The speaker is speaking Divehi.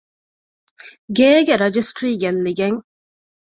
ގޭގެ ރަޖިސްޓްރީ ގެއްލިގެން